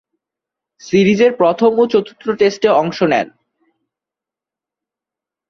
সিরিজের প্রথম ও চতুর্থ টেস্টে অংশ নেন।